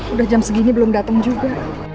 udah jam segini belum datang juga